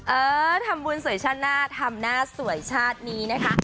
เออทำบุญสวยชาติหน้าทำหน้าสวยชาตินี้นะคะ